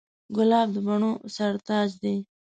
ګلاب د بڼو سر تاج دی.